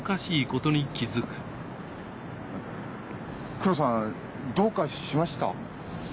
黒さんどうかしました？